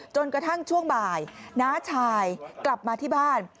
จนกระทั่งช่วงบ่ายน้าชายกลับมาที่บ้าน